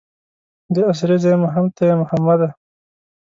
د اسرې ځای مو هم ته یې محمده.